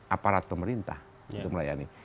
aparat pemerintah untuk melayani